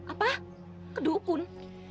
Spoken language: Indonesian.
apa ke dukun